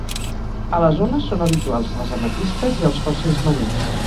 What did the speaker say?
A la zona són habituals les ametistes i els fòssils marins.